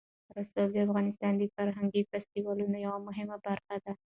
رسوب د افغانستان د فرهنګي فستیوالونو یوه مهمه برخه ده.